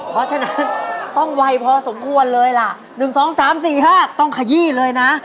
เพราะฉะนั้นต้องไวพอสมควรเลยล่ะ๑๒๓๔๕ต้องขยี้เลยนะ